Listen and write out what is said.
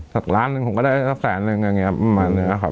สักล้านหนึ่งผมก็ได้สักแสนอะไรอย่างนี้ครับประมาณนี้นะครับ